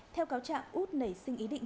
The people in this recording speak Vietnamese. theo cáo trạm út nảy sinh ý định